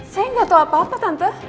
saya ga tau apa apa tante